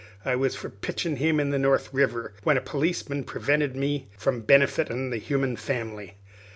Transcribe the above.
I was for pitchin' him into the North River, when a perliceman prevented me from benefitin' the human family.